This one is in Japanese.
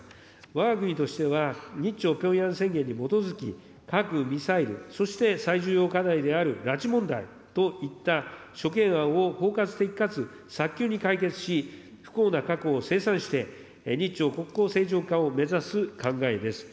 わが国としては、日朝平壌宣言に基づき、核・ミサイル、そして最重要課題である拉致問題といった諸懸案を包括的かつ早急に解決し、不幸な過去を清算して、日朝国交正常化を目指す考えです。